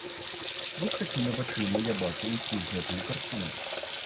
Вось такімі вачыма я бачу ўсю гэтую карціну.